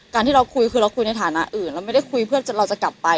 ที่เราคุยคือเราคุยในฐานะอื่นเราไม่ได้คุยเพื่อเราจะกลับไป